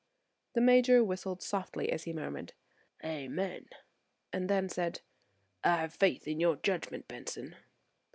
The Major whistled softly as he murmured "Amen," and then said: "I have faith in your judgment, Benson."